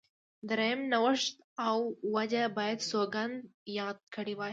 درېیم نوښت دا و دوج باید سوګند یاد کړی وای.